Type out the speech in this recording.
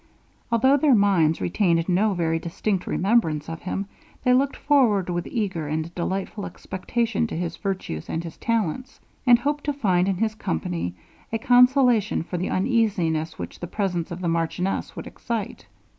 Although their minds retained no very distinct remembrance of him, they looked forward with eager and delightful expectation to his virtues and his talents; and hoped to find in his company, a consolation for the uneasiness which the presence of the marchioness would excite.